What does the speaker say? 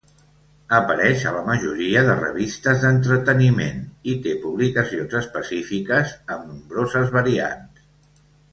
Apareix a la majoria de revistes d'entreteniment i té publicacions específiques amb nombroses variants.